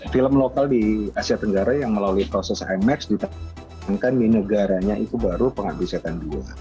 film lokal di asia tenggara yang melalui proses imax ditekankan di negaranya itu baru pengabdi setan dua